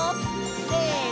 せの！